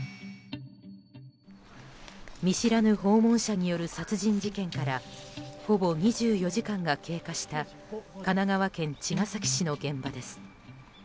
見知らぬ訪問者による殺人事件からほぼ２４時間が経過した神奈川茅ヶ崎市の現場です。